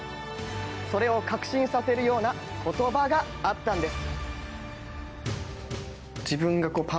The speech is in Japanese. それを確信させるような言葉があったんです。